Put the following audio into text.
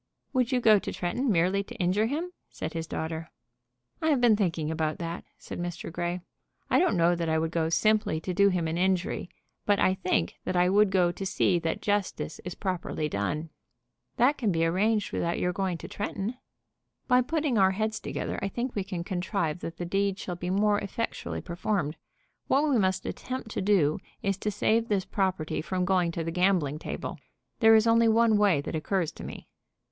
"Would you go to Tretton merely to injure him?" said his daughter. "I have been thinking about that," said Mr. Grey. "I don't know that I would go simply to do him an injury; but I think that I would go to see that justice is properly done." "That can be arranged without your going to Tretton." "By putting our heads together I think we can contrive that the deed shall be more effectually performed. What we must attempt to do is to save this property from going to the gambling table. There is only one way that occurs to me."